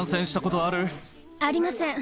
ありません。